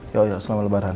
yo yo selamat lebaran